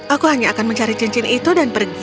aku hanya akan mencari cincin itu dan pergi